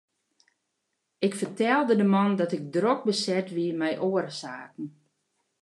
Ik fertelde de man dat ik drok beset wie mei oare saken.